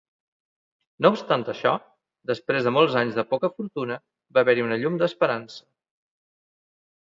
No obstant això, després de molts anys de poca fortuna, va haver-hi una llum d'esperança.